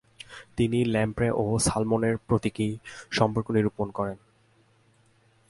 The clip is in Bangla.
তিনি ল্যাম্প্রে ও সালমনের প্রতীকী সম্পর্ক নিরূপণ করেন।